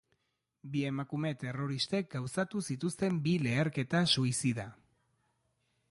Bi emakume terroristek gauzatu zituzten bi leherketa-suizida.